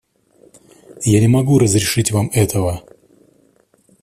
Я не могу разрешить Вам этого.